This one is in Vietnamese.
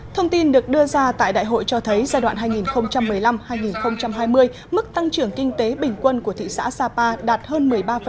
thông tin được đưa ra tại đại hội cho thấy giai đoạn hai nghìn một mươi năm hai nghìn hai mươi mức tăng trưởng kinh tế bình quân của thị xã sapa đạt hơn một mươi ba